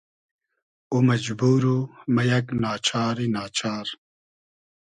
او مئجبور و مۂ یئگ نا چاری نا چار